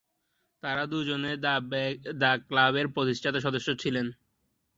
তারা দুজনে "দ্য ক্লাব"-এর প্রতিষ্ঠাতা সদস্য ছিলেন।